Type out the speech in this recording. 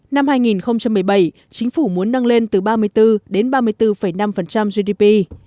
năm hai nghìn một mươi bảy chính phủ muốn nâng lên từ ba mươi bốn đến ba mươi bốn năm gdp